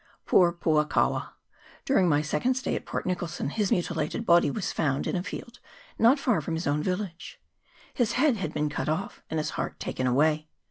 Poor Puakawa! During my se cond stay at Port Nicholson his mutilated body was found in a field not far from his own village ; his head had been cut off and his heart taken away.